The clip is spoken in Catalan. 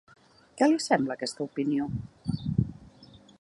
Què li sembla aquesta opinió?